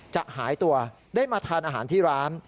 หายตัวได้มาทานอาหารที่ร้าน